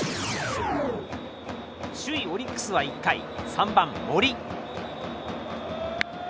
首位オリックスは１回３番、森。